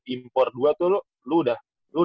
impor dua tuh lo udah